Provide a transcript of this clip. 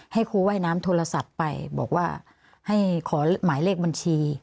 ครูว่ายน้ำโทรศัพท์ไปบอกว่าให้ขอหมายเลขบัญชี